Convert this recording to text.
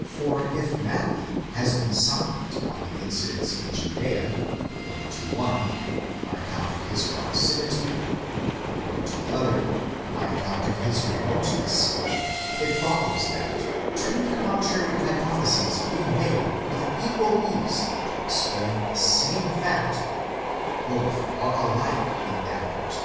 For if Matthew has been silent on the incidents in Judea, according to one, on account of his proximity, according to the other, on account of his remoteness, it follows that, two contrary hypotheses being made with equal ease to explain the same fact, both are alike inadequate.